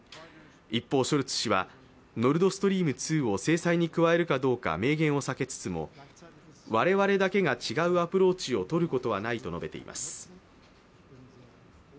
一方、ショルツ氏はノルドストリーム２を制裁に加えるかどうか明言を避けつつも、我々だけが違うアプローチをとることはないと述べています。